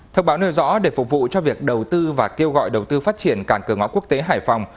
thông báo nêu rõ để phục vụ cho việc đầu tư và kêu gọi đầu tư phát triển cảng cửa ngõ quốc tế hải phòng